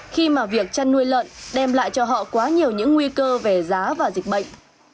khi mà việc chăn nuôi lợn đem lại cho họ quá nhiều những nguy cơ về giá và dịch bệnh